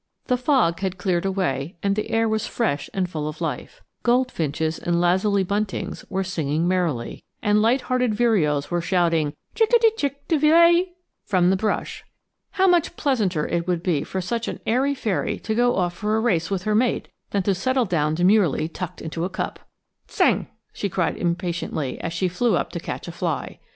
The fog had cleared away and the air was fresh and full of life; goldfinches and lazuli buntings were singing merrily, and light hearted vireos were shouting chick a de chick' de villet' from the brush. How much pleasanter it would be for such an airy fairy to go off for a race with her mate than to settle down demurely tucked into a cup! "Tsang," she cried impatiently as she flew up to catch a fly.